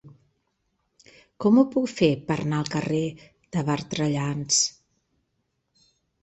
Com ho puc fer per anar al carrer de Bertrellans?